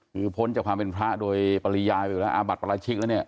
คือพ้นจากความเป็นพระโดยปริยายไปแล้วอาบัติประราชิกแล้วเนี่ย